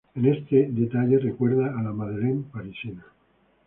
En este detalle recuerda a la Madeleine parisina.